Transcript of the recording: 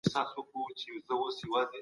انسان غواړي پر پديدو واکمن قوانين پيدا کړي.